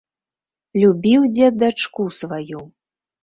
Любіў дзед дачку сваю.